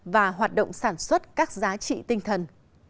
và hoạt động sản xuất các giá trị tinh thần